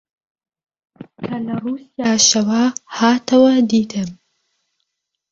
کە لە ڕووسیاشەوە هاتەوە، دیتم